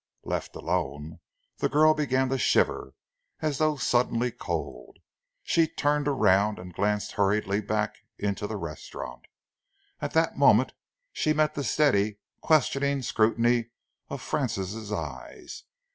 Left alone, the girl began to shiver, as though suddenly cold. She turned around and glanced hurriedly back into the restaurant. At that moment she met the steady, questioning scrutiny of Francis' eyes.